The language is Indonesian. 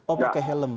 oh pakai helm